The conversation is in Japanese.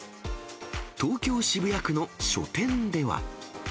東京・渋谷区の書店では。